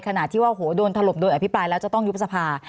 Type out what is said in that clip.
ขณะที่ว่าโหโดนถล่มโดนอภิปรายแล้วจะต้องยุบสภา